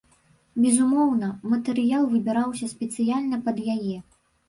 Безумоўна, матэрыял выбіраўся спецыяльна пад яе.